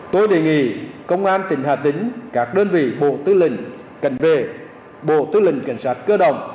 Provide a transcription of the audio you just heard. tôi đề nghị công an tỉnh hà tĩnh các đơn vị bộ tư lĩnh cận vệ bộ tư lĩnh cảnh sát cơ đồng